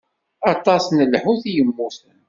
Aṭas n lḥut i yemmuten.